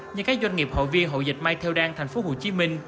nhưng các doanh nghiệp hội viên hội dệt may theo đan tp hcm